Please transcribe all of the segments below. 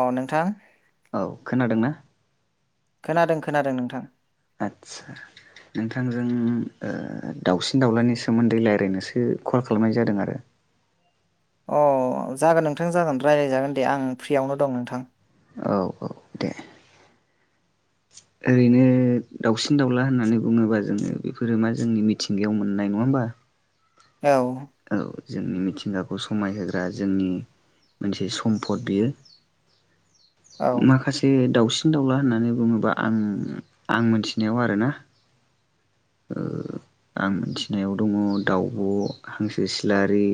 अ नोंथां। औ खोनादों ना? खोनादों खोनादों नोंथां। आदसा। नोंथांजों ओ दाउसिन दाउलानि सोमोन्दै रायज्लायनोसो कल खालामनाय जादों आरो। अ जागोन नोंथां जागोन रायज्लायजागोन दे आं फ्रियावनो दं नोंथां। औ औ दे ओरैनो दाउसिन-दाउला होननानै बुङोब्ला जोङो बेफोरो मा जोंनि मिथिंगायाव मोननाय नङा होमबा? औ औ जोंनि मिथिंगाखौ समायहोग्रा जोंनि मोनसे सम्फद बियो। औ माखासे दावसि- न दावला होननानै बुङोबा आं आं मोनथिनायाव आरोना। ओ आं मिथिनायाव दङ दाउब'। हांसो सिलारि,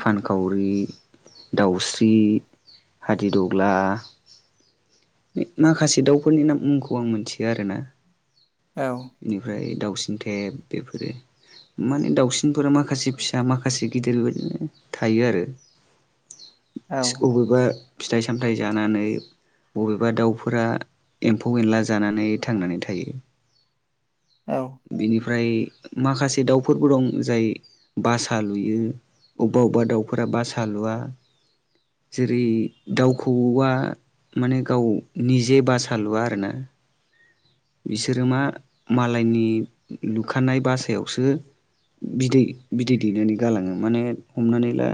फानखावरि, दाउस्रि हादिद'ग्ला माखासे दाउफोरनि ना मुंखौ आं मिथियो आरो ना। औ बेनिफ्राय दाउसिन थेब बेफोरो। माने दाउसिनफोरा माखासे फिसा माखासे गिदिर बेबायदिनो थायो आरो। औ अबेबा फिथाइ-सामथायाइ जानानै। बबेबा दाउफोरा एम्फौ-एनला जानानै थांनानै थायो। औ बेनिफ्राय माखासे दाउफोरबो दं जाय बासा लुयो। अबेबा अबेबा दाउफोरा बासा लुवा। जेरै दाउखौऔआ माने गाव निजे बासा लुआ आरो ना। बिसोरो मा मालायनि लुखानाय बासायावसो बिदै बिदै दैनानै गालाङो माने हमनानै ला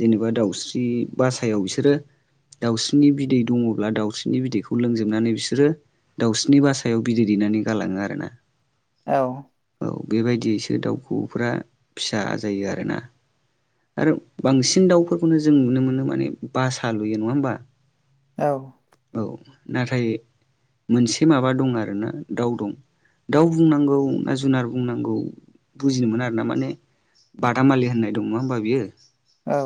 जेनेबा दाउस्रि बासायाव बिसोरो दाउस्रिनि बिदै दङब्ला दाउस्रिनि बिदैखौ लोंजोबनानै बिसोरो दाउस्रिनि बासा- याव बिदै दैनानै गालाङो आरो ना। औ औ बेबायदियैसो दाउखौऔफ्रा फिसा जायो आरो ना। आरो बांसिन दाउफोरखौनो जों नुनो मोनो माने बासा लुयो। नङा होमबा? औ औ नाथाय मोनसे माबा दं आरोना दाउ दं। दाउ बुंनांगौ ना जुनार बुंनांगौ बुजिनो मोना आरो ना माने बादामालि होननाय दं नङा होनबा बियो। औ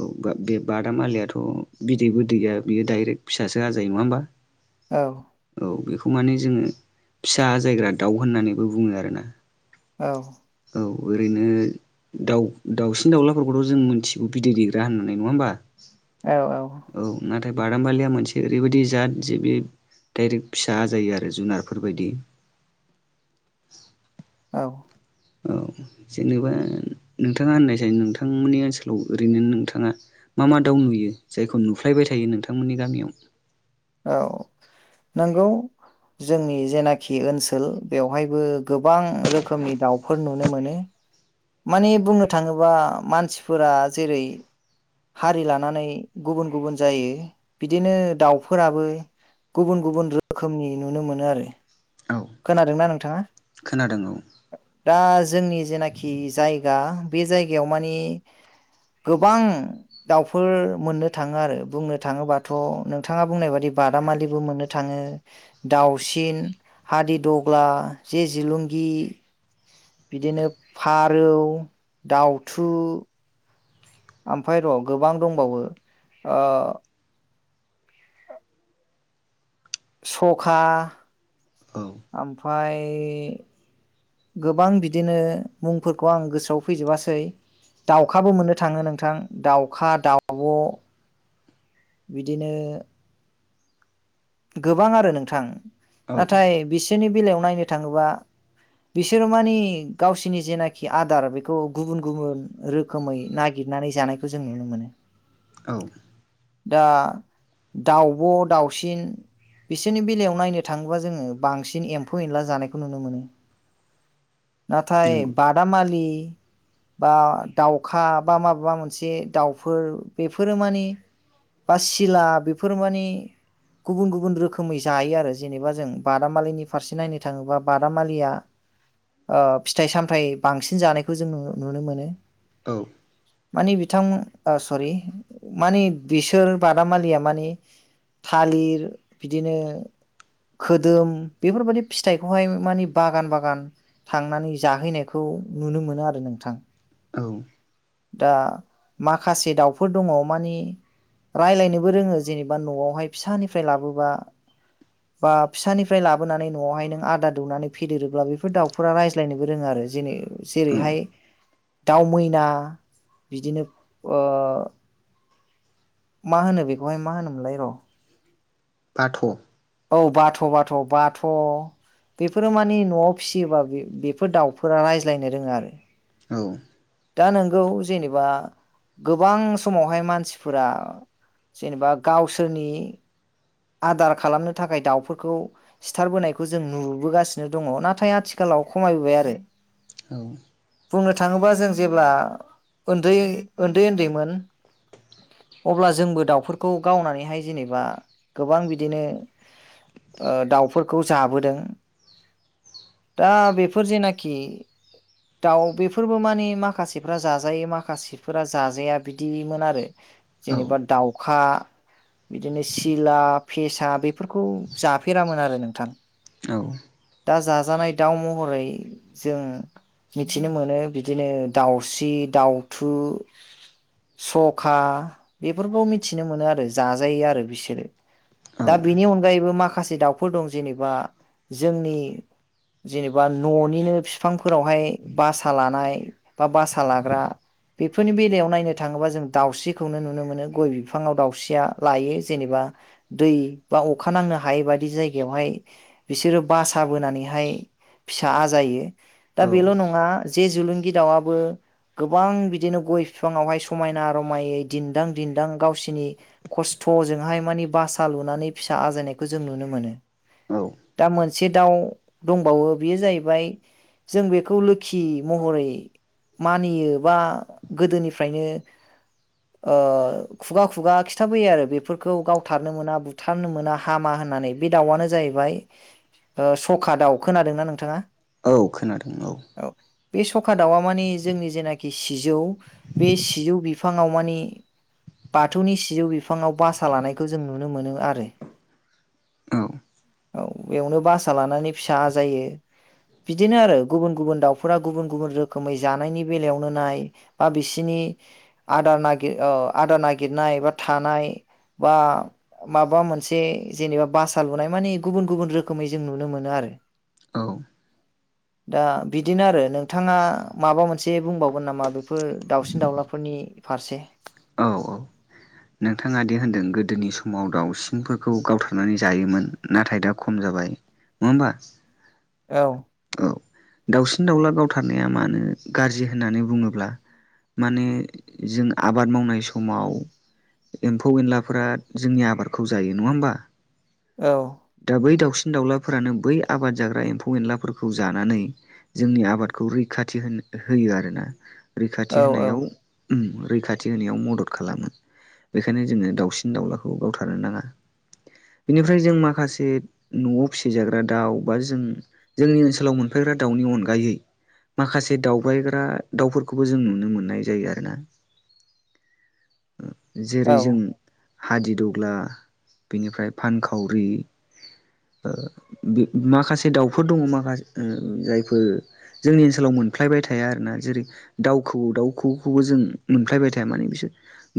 औ बे बा-बादामालियाथ' बिदैबो दैया बियो दाइरेक्ट फिसासो आजायो। नङा होनबा? [inaudible] औ औ बेखौ माने जोङो फिसा आजायग्रा दाउ होननानैबो बुङो आरो ना। औ औ ओरैनो दाउ दाउसिन दाउलाफोरखौथ' जों मोनथिगौ बिदै दैेग्रा होननानै। नङा होमबा? औ औ औ नाथाय बादामालिया मोनसे ओरैबायदि जाद जे बे दडाइरेक्ट फिसा आजायो आरो जुनारफोर बायदि औ औ जेनेबा नोंथाङा होननायसाय नोंथांमोननि ओनसोलाव ओरैनो नोंथाङा मा मा दाउ नुयो जायखौ नुफ्लायबाय थायो नोंथांमोननि गामियाव। औ नंगौ जोंनि जेनाखि ओनसोल बेवहायबो गोबां रोखोमनि दाउफोर नुनो मोनो। माने बुंनो थाङोबा मानसिफोरा जेरै हारि लानानै गुबुन गुबुन जायो। बिदिनो दाउफोराबो गुबुन गुबुन रोखोमनि नुनो मोनो आरो। औ खोनादोंना नोंथाङा? खोनादों औ। दा जोंनि जेनाखि जायगा बे जायगायाव मानि गोबां दाउफोर मोननो थाङो आरो। बुंनो थाङोबाथ' नोंथाङा बुंनाय बादि बादामालिबो मोननो थाङो। दाउसिन, हादि दग्ला, जे जलुंगि बिदिनो फारौ, दाउथु ओमफ्राय र' गोबां दंबावो। सखा। औ। ओमफाय गोबां बिदिनो मुंफोरखौ आं गोसोआव फैजोबासै। दाउखाबो मोननो थाङो नोंथां दाउखा, दाउब' बिदिनो गोबां आरो नोंथां औ नाथाय बिसोरनि बेलायाव नायनो थाङोबा बिसोरो मानि गावसिनि जेनाखि आदार बेखौ गुबुन गुबुन [unintelligible] रोखोमै नागिरनानै जानायखौ जों नुनो मोनो। औ। दा दाउब', दाउसिन बिसोरनि बेलायाव नायनो थाङोबा जोङो बांसिन एम्फौ- एनला जानायखौ नुनो मोनो। नाथाय नंगौ बादामालि बा दाउखा बा माबाबा मोनसे दाउफोर बेफोरो मानि बा सिला बेफोर माने गुबुन गुबुन रोखोमै जायो आरो जेनेबा जों बादामालिनि फारसे नायनो थाङोबा बादामालिया ओ फिथाइ- सामथाय बांसिन जानायखौ जों नुनो मोनो। औ। मानि बिथां सरि मानि बिसोर बादामालिया मानि थालिर बिदिनो खोदोम बेफोरबायदि फिथाइखौहाय मानि बागान बागान थांनानै जाहैनायखौ नुनो मोनो आरो नोंथां। औ। दा माखासे दाउफोर दङ मानि रायज्लायनोबो रोङो जेनेबा न'आवहाय फिसानिफ्राय लाबोबा। बा फिसानिफ्राय लाबोनानै न'आवहाय नों आदार दौनानै फेदेरोब्ला बेफोर दाउफोरा रायज्लायनोबो रोङो आरो जेनै औ जेरैहाय दाउ मैना बिदिनो ओ मा होनो बेखौहाय मा होनोमोनलाय र' बाथ' औ बाथ'- बाथ'- बाथ' बेफोरो मानि न'आव फिसियोबा बे- बेफोर दाउफोरा रायज्लायनो रोङो आरो औ। दा नोंगौ जेनेबा गोबां समावहाय मानसिफोरा जेनेबा गावसोरनि आदार खालामनो थाखाय दाउफोरखौ सिथारबोनायखौ जों नुबोगासिनो दङ नाथाय आथिखालाव खमायबोबाय आरो। औ। बुंनो थाङोबा जों जेब्ला उन्दै- उन्दै -उन्दैमोन अब्ला जोंबो दाउफोरखौ गावनानैहाय जेनेबा गोबां बिदिनो दाउफोरखौ जाबोदों। दा बेफोर जेनाखि दाउ बेफोरबो मानि माखासेफ्रा जाजायो माखासे बिफोरा जाजाया बिदिमोन आरो औ जेनेबा दाउखा बिदिनो [unintelligible] सिला फेसा बेफोरखौ जाफेरामोन आरो नोंथां औ दा जाजानाय दाउ महरै जों मिथिनो मोनो बिदिनो दाउस्रि दाउथु सखा बेफोरखौ मिथिनो मोनो आरो जाजायो आरो बिसोरो दा बेनि अनगायैबो माखासे दाउफोर दं जेनेबा जोंनि जेनेबा न'निनो फिफांफोरावहाय बासा लानाय बा बासा लाग्रा बेफोरनि बेलायाव नायनो थाङोबा जों दाउस्रिखौनो नुनो मोनो गय बिफाङाव दाउस्रिया लायो जेनेबा दै बा अखा नांनो हायै बादि जायगायावहाय बिसोरो बासा बोनानैहाय फिसा आजायो दा औ बेल' नङा जे जुलुंगि दाउआबो गोबां बिदिनो गय बिफाङावहाय समायना रमायै दिन्दां दिन्दां गावसिनि खस्थ'जोंहाय माने बासा लुनानै फिसा आजायनायखौ जों नुनो मोनो औ दा मोनसे दाउ दंबावो बेयो जाहैबाय जों बेखौ लोखि महरै मानियो बा गोदोनिफ्रायनो खुगा खुगा खिथाबोयो आरो बेफोरखौ गाव थारनो मोना बुथारनो मोना हामा होननानै बे दाउआनो जाहैबाय सखा दाउ खोनादोंना नोंथाङा औ खोनादों औ औ बे सखा दाउआ मानि जोंनि जेनाखि सिजौ बे सिजौ बिफाङाव माने बाथौनि सिजौ बिफाङाव बासा लानाय खौ जों नुनो मोनो आरो औ औ बेयावनो बासा लानानै फिसा आजायो बिदिनो आरो गुबुन गुबुन दाउफोरा गुबुन गुबुन रोखोमै जानायनि बेलायावनो नाय बा बिसिनि आदार नागिर औ आदार नागिरनाय बा थानाय बा माबा मोनसे जेनेबा बासा लुनाय मानि गुबुन गुबुन रोखोमै जों नुनो मोनो आरो औ दा बिदिनो आरो नोंथाङा माबा मोनसे बुंबावगोन नामा बेफोर दाउसिन दाउलाफोरनि फारसे औ औ नोंथाङादि होनदों गोदोनि समाव दावउसिनफोरखौ गावथारनानै जायोमोन नाथाय दा खम जाबाय नङा होमबा औ औ दाउसिन दाउला गावथारनाया माहोनो गाज्रि होननानै बुङोब्ला माने जों आबाद मावनाय समाव एम्फौ एनलाफोरा जोंनि आबादखौ जायो नङा होमबा औ दा बै दाउसिन दाउलाफोरानो बै आबाद जाग्रा एम्फौ एनलाफोर खौ जानानै जोंनि आबादखौ रैखाथि होनो होयो आरोना औ रैखाथि होनायाव रैखाथि होनायाव मदद खालामो बेखायनो जोङो दाउसिन दाउलाखौ गावथारनो नाङा बेनिफ्राय जों माखासे न'आव फिसिजाग्रा दाउ बा जों जोंनि ओनसोलाव मोनफैग्रा दाउनि अनगायै माखासे दावबायग्रा दाउफोरखौबो जों नुनो मोननाय जायो आरो ना औ जेरै जों हादिदग्ला बिनिफ्राय फानखावरि माखासे दाउफोर दङ माखासे जायफोर जोंनि ओनसोलाव मोनफ्लायबाय थाया आरो ना जेरै दाउ खौवौ दाउ खौवौबो जों मोनफ्लायबाय थाया माने बिसोर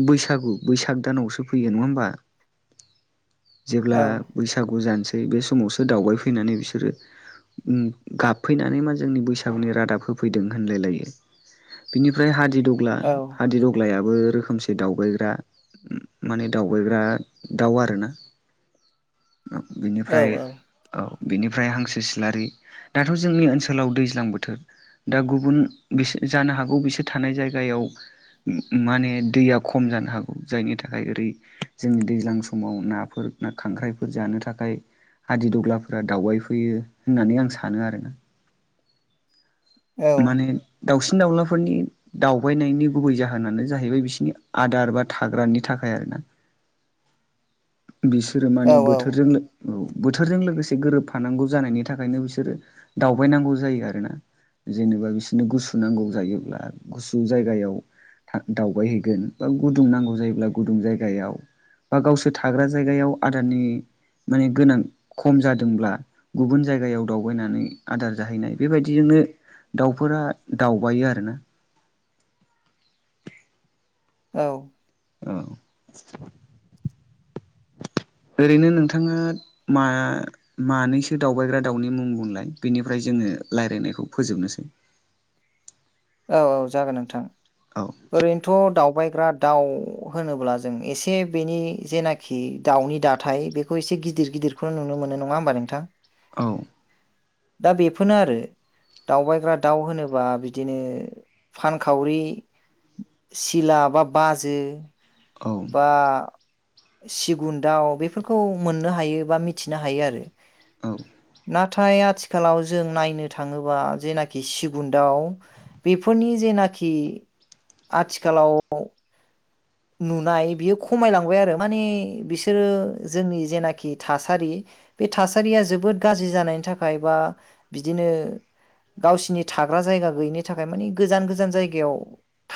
बैसागु बैसाग दानावसो फैयो नङा होमबा? औ जेब्ला बैसागु जानोसै बे समावसो दावबायफैनानै बिसोरो ओम गाबफैनानै मा जोंनि बैसागुनि रादाब होफैदों होनलाय लायो। बिनिफ्राय हादिदग्ला औ हादिदग्लायाबो रोखोमसे जे दावबायग्रा माने दावबायग्रा दाउ आरोना औ बेनिफ्राय औ बिनिफ्राय हांसो सिलारि दाथ' जोंनि ओनसोलाव दैज्लां बोथोर दा गुबुन बिसोर जानो हागौ बिसोर थानाय जायगायाव माने दैया खम जानो हागौ जायनि थाखाय ओरै जोंनि दैज्लां समाव नाफोर ना खांख्राइफोर जानो थाखाय हादिदग्लाफोरा दावबाय फैयो होननानै आं सानो आरोना। माने दाउसिन दाउलाफोरनि दावबायनायनि गुबै जाहोनानो जाहैबाय बिसिनि आदार बा थाग्रानि थाखाय आरोना। बिसोरो औ माने बोथोरजों औ बोथोरजों लोगोसे गोरोबफानांगौ जानायनि थाखायनो बिसोरो दावबायनांगौ जायो आरोना। जेनेबा बिसोरनो गुसु नांगौ जायोब्ला गुसु जायगायाव हां दावबाय हैैगोन बा गुदुं नांगौ जायोब्ला गुुंदुं जायगायाव बे थाग्रा जायगायाव आदारनि माने गोनां खम जादोंब्ला गुबुन जायगायाव दावबायनानै आदार जाहैनाय बेबायदिजोंनो दाउफोरा दावउबायो आरो ना। औ। औ ओरैनो नोंथाङा मा मानैसो दावबायग्रा दाउनि मुं बुंलाय बेनिफ्राय जोङो रायज्लायनायखौ फोजोबनोसै। औ औ जागोन नोंथां औ ओरैनोथ' दावबायग्रा दाउ होनोब्ला जों एसे बेनि जेनाखि दाउनि दाथाय बेखौ एसे गिदिर गिदिर खौ नुनो मोनो नङा होमबा नोंथां? औ। दा बेफोरनो आरो दावबायग्रा दाउ होनोबा बिदिनो फानखावरि, सिला, बा बाजो औ। बा सिगुन दाउ बेफोरखौ मोननो हायो बा मिथिनो हायो आरो। औ। नाथाय आथिखालाव जों नायनो थाङोबा जेनाखि सिगुन दाउ बेफोरनि जेनाखि आथिखालाव नुनाय बियो खमायलांबाय आरो माने बिसोरो जोंनि जेनाखि थासारि बे थासारिया जोबोद गाज्रि जानायनि थाखाय बा बिदिनो गावसिनि थाग्रा जायगा गैयिनि थाखाय मानि गोजान गोजान जायगायाव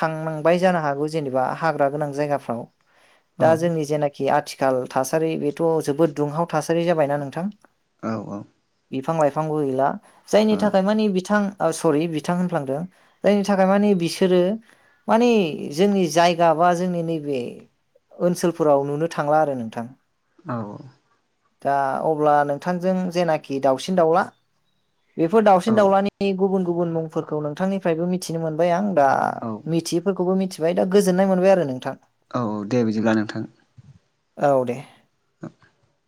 थांनांबाय जानो हागौ जेनेबा हाग्रा गोनां जायगाफ्राव औ दा जोंनि जेनाखि कि आथिखाल थासारि बेथ' जोबोद दुंहाव थासारि जाबाय ना नोंथां। औ औ। बिफां लाइफांबो गैला जायनि औ थाखाय माने बिथां ओ सरि बिथां होनफ्लांदों जायनि थाखाय माने बिसोरो मानि जोंनि जाय जाबा जोंनि नैबे ओनसोलफोराव नुनो थांला आरो नोंथां। औ। दा अब्ला नोंथांजों जेनाखि दाउसिन दाउला बेफोर दाावसिन औ दाउलानि गुबुन गुबुन मुंफोरखौ नोंथांनिफ्रायबो मिथिनो मोनबाय आं। दा औ मिथियैफोरखौबो मिथिबाय दा गोजोननाय मोनबाय आरो नोंथां। औ औ दे बिदिब्ला नोंथां। औ दे। [unintelligible]